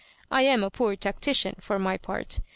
I am a poor tactician, for my part.